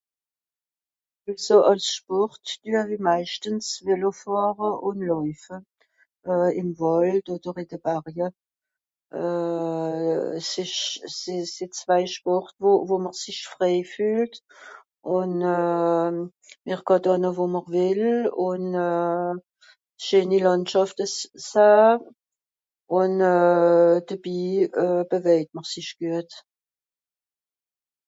àlso àls spòrt due-w-i meischtens vélo fàhre ùn làufe euh ìm wàld òder ìn de barje euh s esch se se zwai spòrt wo wo mr sich frei fühlt ùn euh mr kàt ànne wo mr wìll ùn euh scheeni làndschàfte euh sahn ùn euh debi euh bewejt mr sich guet